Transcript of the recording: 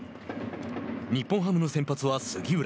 日本ハムの先発は、杉浦。